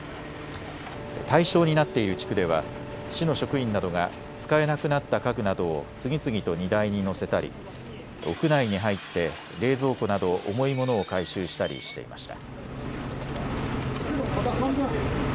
対象になっている地区では市の職員などが使えなくなった家具などを次々と荷台に載せたり屋内に入って冷蔵庫など重いものを回収したりしていました。